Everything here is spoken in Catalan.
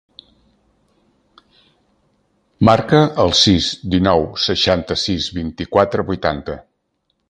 Marca el sis, dinou, seixanta-sis, vint-i-quatre, vuitanta.